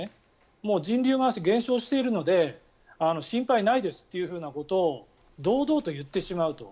もう人流が減少しているので心配ないですということを堂々と言ってしまうと。